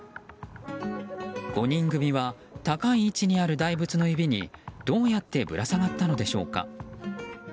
５人組は高い位置にある大仏の指にどうやってぶら下がったのでしょうか。